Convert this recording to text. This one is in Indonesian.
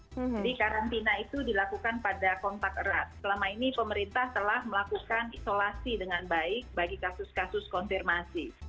jadi karantina itu dilakukan pada kontak erat selama ini pemerintah telah melakukan isolasi dengan baik bagi kasus kasus konfirmasi